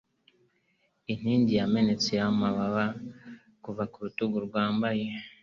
Inkingi yamenetse yamababa kuva ku rutugu rwambaye,